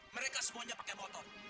mereka semuanya pakai motor